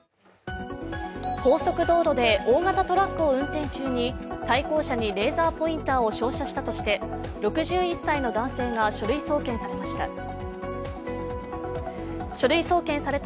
高速道路で大型トラックを運転中に対向車にレーザーポインターを照射したとして６１歳の男性が書類送検されました。